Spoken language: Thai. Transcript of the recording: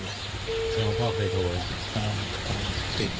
ไม่มีการตอบรับจากเลขใหม่ที่คุณเรียกค่ะ